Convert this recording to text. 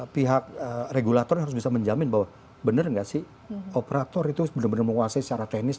pihak regulator harus bisa menjamin bahwa benar nggak sih operator itu benar benar menguasai secara teknis